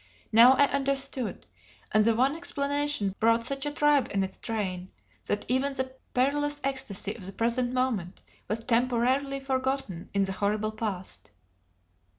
Now I understood; and the one explanation brought such a tribe in its train, that even the perilous ecstasy of the present moment was temporarily forgotten in the horrible past.